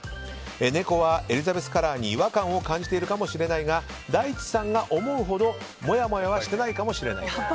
猫はエリザベスカラーに違和感を感じているかもしれないが大地さんが思うほどもやもやはしてないかもしれない。